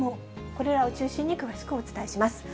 これらを中心に詳しくお伝えします。